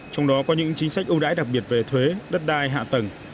trong đó có những chính sách ưu đãi đặc biệt về thuế đất đai hạ tầng